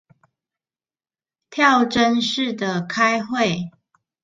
跳針式的開會